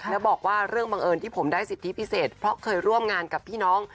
แล้วบอกว่าเรื่องบังเอิญที่ผมได้สิทธิพิเศษเพราะเคยร่วมงานกับพี่น้อง